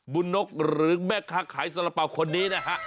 นกหรือแม่ค้าขายสาระเป๋าคนนี้นะฮะ